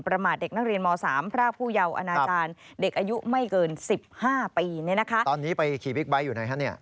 บ๊ายอยู่ไหนฮะนี่ไม่รู้